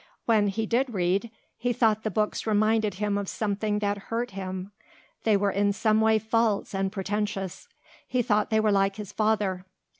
When he did read, he thought the books reminded him of something that hurt him. They were in some way false and pretentious. He thought they were like his father.